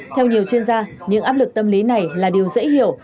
theo nhiều chuyên gia những áp lực tâm lý này là điều dễ hiểu